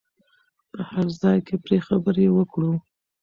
په هر ځای کې پرې خبرې وکړو.